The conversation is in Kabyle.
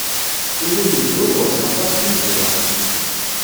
Ul-iw yedduqus, aṭas i uzzleɣ.